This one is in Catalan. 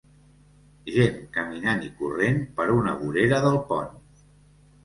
Gent caminant i corrent per una vorera del pont.